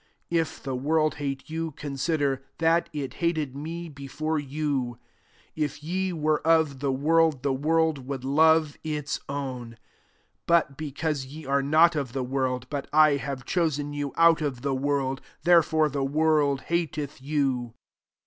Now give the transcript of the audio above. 18 If the world hate yon, consider that it hated me be fore you* 19 If ye were of the world, the world would love its own : but, because ye are not of the world, but I have diosi^ you out of the world, therefore, the world hateth you.